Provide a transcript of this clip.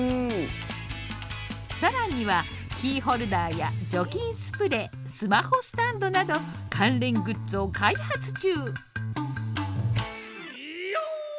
更にはキーホルダーや除菌スプレースマホスタンドなど関連グッズを開発中。